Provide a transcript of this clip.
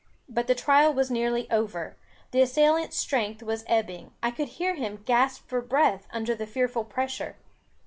But the trial was nearly over. The assailant's strength was ebbing; I could hear him gasp for breath under the fearful pressure.